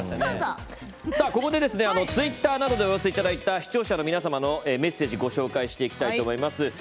ここでツイッターなどでお寄せいただいた視聴者の皆さんのご紹介していきたいと思います。